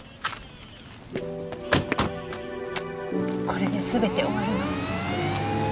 これで全て終わるわ。